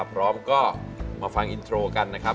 พร้อมก็มาฟังอินโทรกันนะครับ